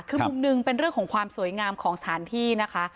คือมุมหนึ่งเป็นเรื่องของความสวยงามของสถานที่นะคะ